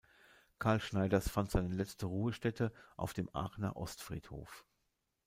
Carl Schneiders fand seine letzte Ruhestätte auf dem Aachener Ostfriedhof.